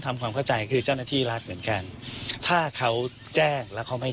ทำความเข้าใจคือเจ้าหน้าที่รัฐเหมือนกันถ้าเขาแจ้งแล้วเขาไม่